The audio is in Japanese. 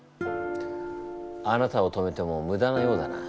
あなたを止めてもむだなようだな。